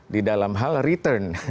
di dalam hal return